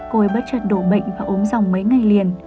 cô ấy bất chật đổ bệnh và ốm dòng mấy ngày liền